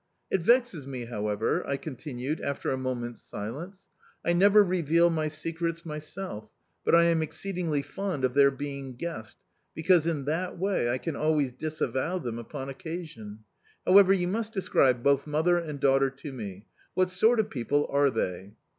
It vexes me, however," I continued after a moment's silence. "I never reveal my secrets myself, but I am exceedingly fond of their being guessed, because in that way I can always disavow them upon occasion. However, you must describe both mother and daughter to me. What sort of people are they?"